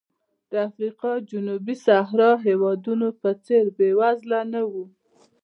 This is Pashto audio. د افریقا جنوبي صحرا هېوادونو په څېر بېوزله نه و.